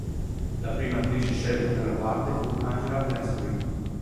La prima attrice scelta per la parte fu Angela Lansbury.